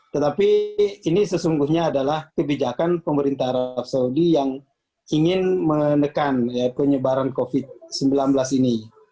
tetapi ini sesungguhnya adalah kebijakan pemerintah arab saudi yang ingin menekan penyebaran covid sembilan belas ini